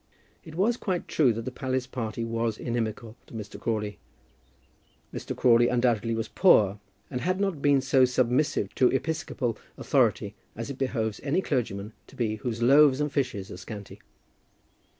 It was quite true that the palace party was inimical to Mr. Crawley. Mr. Crawley undoubtedly was poor, and had not been so submissive to episcopal authority as it behoves any clergyman to be whose loaves and fishes are scanty.